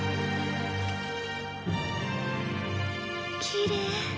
きれい。